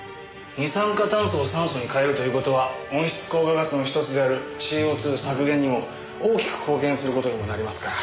二酸化炭素を酸素に変えるという事は温室効果ガスの１つであるＣＯ２削減にも大きく貢献する事にもなりますから。